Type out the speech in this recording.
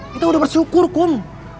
kita udah bersyukur kum